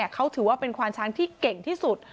เขาถือว่าเป็นควานช้างที่เก่งที่สุด